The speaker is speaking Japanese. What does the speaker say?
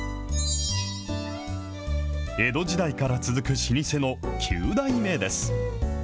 江戸時代から続く老舗の９代目です。